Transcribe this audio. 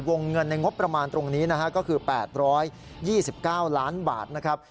เงินในงบประมาณตรงนี้นะฮะก็คือ๘๒๙ล้านบาทนะครับ